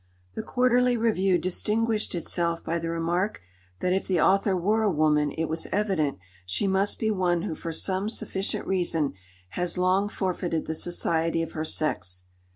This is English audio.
The Quarterly Review distinguished itself by the remark that if the author were a woman it was evident "she must be one who for some sufficient reason has long forfeited the society of her sex."